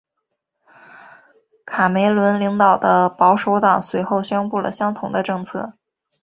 卡梅伦领导的保守党随后宣布了相同的政策。